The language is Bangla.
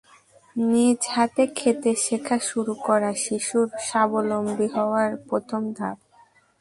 নিজ হাতে খেতে শেখা শুরু করা শিশুর স্বাবলম্বী হওয়ার প্রথম ধাপ।